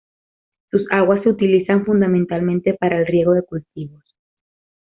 Sus aguas se utilizan fundamentalmente para el riego de cultivos.